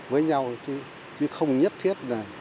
với nhau chứ không nhất thiết